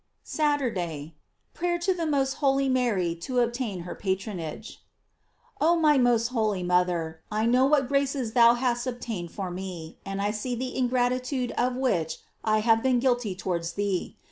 SATURDAY. Prayer to the most holy Mary to obtain her patronage. OH my most holy mother, I know what graces thou hast obtained for me , and I see the ingrat itude of which I have been guilty towards thee.